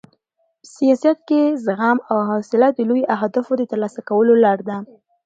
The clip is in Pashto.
په سیاست کې زغم او حوصله د لویو اهدافو د ترلاسه کولو لار ده.